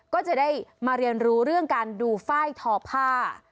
ก็จะได้มาเรียนรู้เรื่องการดูฝ้ายทอผ้า